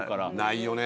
ないよね。